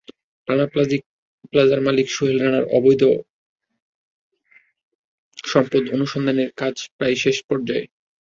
রানা প্লাজার মালিক সোহেল রানার অবৈধ সম্পদ অনুসন্ধানের কাজ প্রায় শেষ পর্যায়ে।